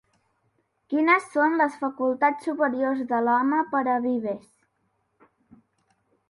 Quines són les facultats superiors de l'home per a Vives?